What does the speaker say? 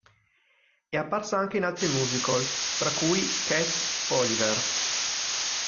È apparsa anche in altri musical, tra cui "Cats", "Oliver!